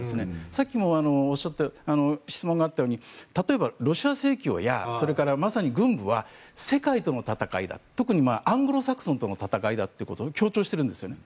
さっきも質問があったように例えばロシア正教やそれからまさに軍部は世界との戦いだと特にアングロサクソンとの戦いだということを強調しているんですね。